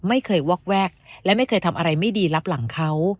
ไม่เคยวอกแวกและไม่เคยทำอะไรไม่ดีรับหลังเขา